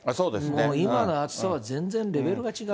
今の暑さは、全然レベルが違うので。